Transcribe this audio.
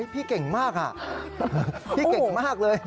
พี่เก่งมากอ่ะพี่เก่งมากเลย